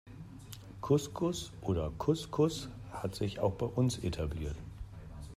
Couscous oder Kuskus hat sich auch bei uns etabliert.